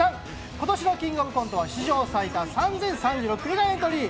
今年の「キングオブコント」は史上最多３０３６組がエントリー。